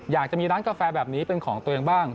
อยากจะมีร้านกาแฟแบบนี้เป็นของตัวเองบ้าง